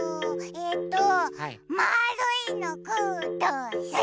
えっとまあるいのください！